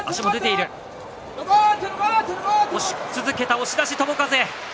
押し出し、友風。